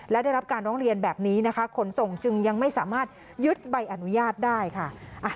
และได้รับการร้องเรียนแบบนี้นะคะขนส่งจึงยังไม่สามารถยึดใบอนุญาตได้ค่ะ